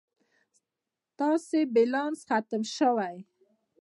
ستاسي بلينس ختم شوي